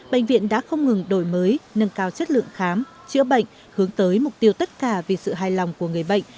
bệnh viện đã không ngừng đổi mới nâng cao chất lượng khám chữa bệnh hướng tới mục tiêu tất cả vì sự hài lòng của người bệnh